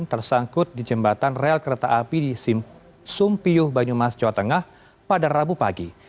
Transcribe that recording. tersangkut di jembatan rel kereta api di sumpiyuh banyumas jawa tengah pada rabu pagi